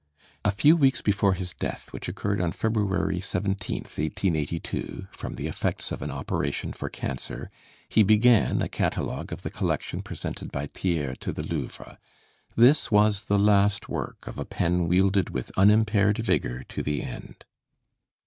A few weeks before his death which occurred on February 17th, 1882, from the effects of an operation for cancer he began a catalogue of the collection presented by Thiers to the Louvre. This was the last work of a pen wielded with unimpaired vigor to the end.